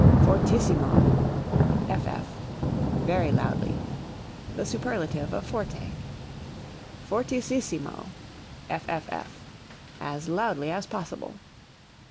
Fortissimo (ff) very loudly. (The superlative of forte.) Fortisissimo (fff) as loudly as possible.